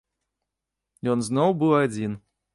Ён зноў быў адзін.